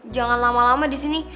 jangan lama lama disini